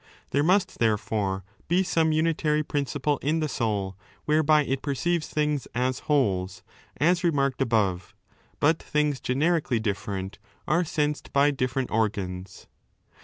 There must, therefortL lw some unitary principle in the soul, whereby it perceives things as wholes,' as remarked above, but things generic ally difl'ereut are sensed by different organs.